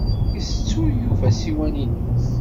Itettuy Yuba ssiwan-ines.